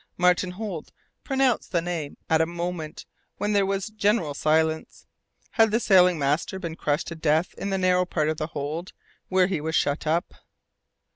Martin Holt pronounced the name at a moment when there was general silence. Had the sealing master been crushed to death in the narrow part of the hold where he was shut up?